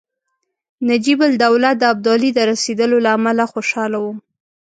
نجیب الدوله د ابدالي د رسېدلو له امله خوشاله وو.